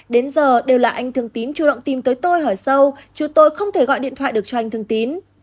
đến giờ đều là anh thường tín chủ động tìm tới tôi hỏi sâu chứ tôi không thể gọi điện thoại được cho anh thường tín